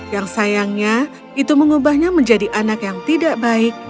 yang sayangnya itu mengubahnya menjadi anak yang tidak baik